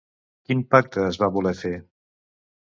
Quin pacte es va voler fer?